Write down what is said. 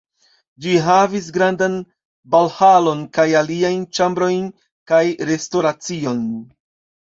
Ĝi havis grandan balhalon kaj aliajn ĉambrojn kaj restoracion.